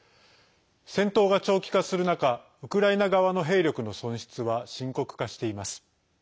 戦闘が長期化する中ウクライナ側の兵力の損失は深刻化しています。